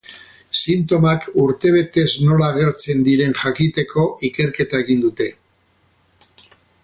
Sintomak urtebetez nola agertzen diren jakiteko ikerketa egin dute.